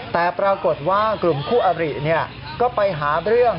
แต่ปรากฏว่ากลุ่มคู่อบริก็ไปหาเรื่อง